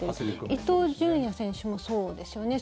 伊東純也選手もそうですよね。